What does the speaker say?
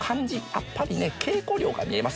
やっぱりね稽古量が見えます。